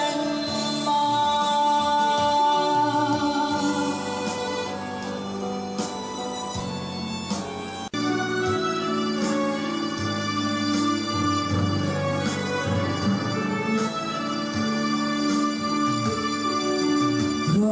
เราก็รู้